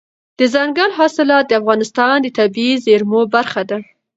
دځنګل حاصلات د افغانستان د طبیعي زیرمو برخه ده.